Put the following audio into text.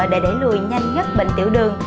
để để lùi nhanh nhất bệnh tiểu đường